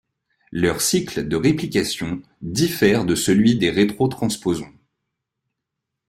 Leur cycle de réplication diffère de celui des rétrotransposons.